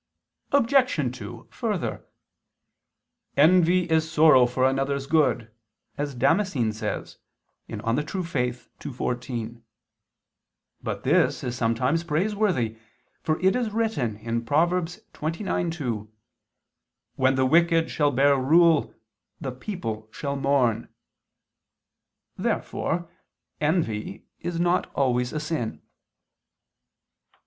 Objection 2: Further, "Envy is sorrow for another's good," as Damascene says (De Fide Orth. ii, 14). But this is sometimes praiseworthy: for it is written (Prov. 29:2): "When the wicked shall bear rule, the people shall mourn." Therefore envy is not always a sin.